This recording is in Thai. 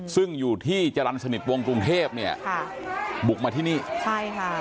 ซึ่งอยู่ที่จรรย์สนิทวงกรุงเทพเนี่ยค่ะบุกมาที่นี่ใช่ค่ะ